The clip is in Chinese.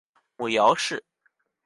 母姚氏。